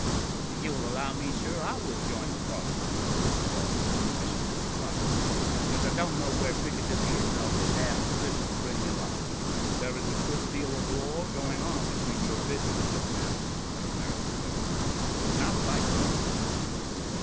"If you will allow me, sir, I will join the party," said Mr Wog, before the Bishop could reply; "and as I don't know where Piccadilly is, I'll just ask the Bishop to bring me along. There is a good deal of law going on between your bishops just now," our American friend went on, "and I should like to know the rights of it.